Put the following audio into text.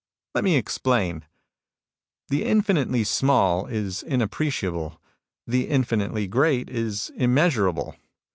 "Let me explain. The infinitely small is inappreciable ; the infinitely great is immeasur able.